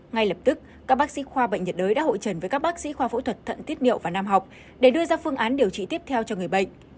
ngay lập tức các bác sĩ khoa bệnh nhiệt đới đã hội trần với các bác sĩ khoa phẫu thuật thận tiết niệu và nam học để đưa ra phương án điều trị tiếp theo cho người bệnh